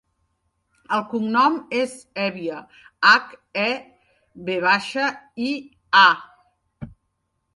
El cognom és Hevia: hac, e, ve baixa, i, a.